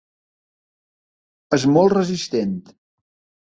És molt resistent.